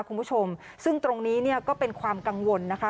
คุณผู้ชมซึ่งตรงนี้เนี่ยก็เป็นความกังวลนะคะ